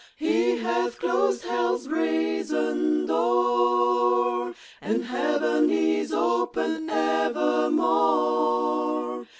He hath closed hell's brazen door, And heaven is open evermore